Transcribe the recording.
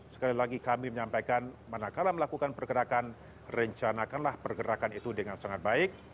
sekali lagi kami menyampaikan manakala melakukan pergerakan rencanakanlah pergerakan itu dengan sangat baik